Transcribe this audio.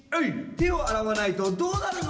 「てをあらわないとどうなるの？」